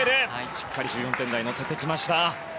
しっかり１４点台に乗せてきました。